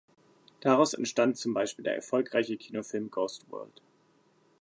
Daraus entstand zum Beispiel der erfolgreiche Kinofilm Ghost World.